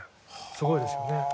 すごいですよね。